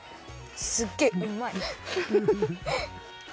すっげえうまい！